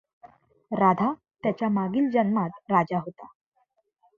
राधा त्याच्या मागील जन्मात राजा होता.